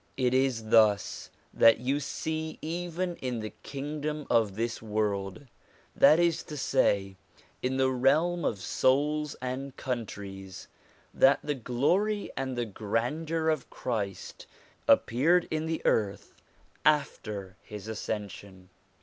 It is thus that you see even in the kingdom of this world, that is to say in the realm of souls and countries, that the glory and the grandeur of Christ appeared in this earth after his ascension.